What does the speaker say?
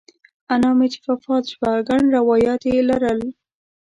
انا مې چې وفات شوه ګڼ روایات یې لرل.